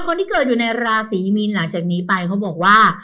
สิ่งที่คุณคิดสิ่งที่คุณทำสิ่งที่คุณตั้งใจและลงมืออยู่